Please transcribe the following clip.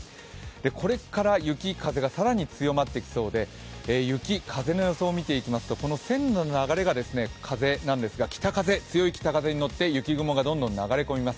これから雪、風が更に強まってきそうで雪、風の予想をみていきますとこの線の流れが風なんですが強い北風に乗って雪雲がどんどん流れ込みます。